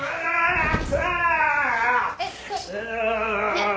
えっ？